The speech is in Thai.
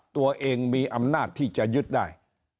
ตัวเองมีอำนาจที่จะยึดได้